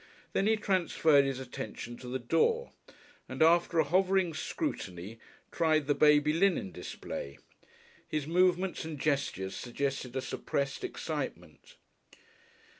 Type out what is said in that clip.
Then he transferred his attention to the door, and after a hovering scrutiny, tried the baby linen display. His movements and gestures suggested a suppressed excitement.